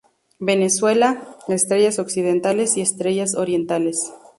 Venezuela: Estrellas Occidentales y Estrellas Orientales.